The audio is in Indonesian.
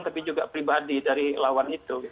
tapi juga pribadi dari lawan itu